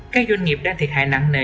các doanh nghiệp đã thiệt hại nặng nề